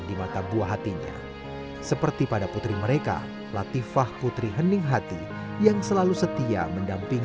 di mata buah hatinya seperti pada putri mereka latifah putri henninghati yang selalu setia dengan kondisi kekasihnya